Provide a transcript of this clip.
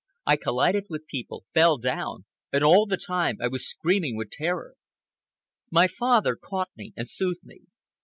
I collided with people, fell down; and all the time I was screaming with terror. My father caught me and soothed me.